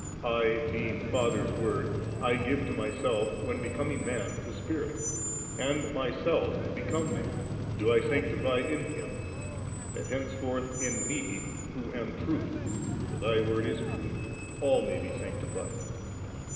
'I, beinx the Father's Word, I give to Myself, when becoming man, the Spirit; and Myself, become man, do I sanctifv •"' Him, that henceforth in Me, who am Triit. " Thy Word is Truth "X all may be sanctifiea.